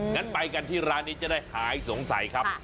งั้นไปกันที่ร้านนี้จะได้หายสงสัยครับ